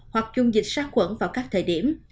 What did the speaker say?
hoặc dùng dịch sát khuẩn vào các thời điểm